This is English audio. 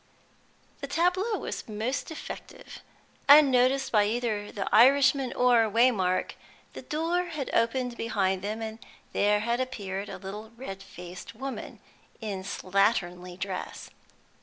The tableau was most effective. Unnoticed by either the Irishman or Waymark, the door had opened behind them, and there had appeared a little red faced woman, in slatternly dress.